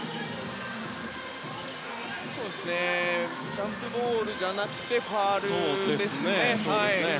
ジャンプボールじゃなくてファウルですね。